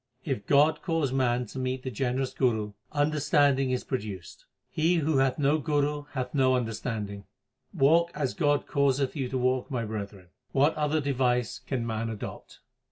If God cause man to meet the generous Guru, understand ing is produced; he who hath no Guru hath no under standing. Walk as God causeth you to walk, my brethren ; what other device can man adopt